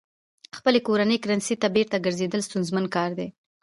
خپلې کورنۍ کرنسۍ ته بېرته ګرځېدل ستونزمن کار دی.